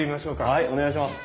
はいお願いします。